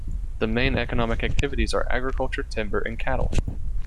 The main economic activities are agriculture, timber and cattle.